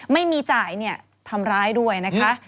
ไม่มีจ่ายทำร้ายด้วยนะคะ